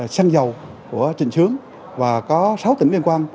săn dầu của trịnh sướng và có sáu tỉnh liên quan